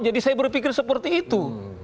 jadi saya berpikir seperti itu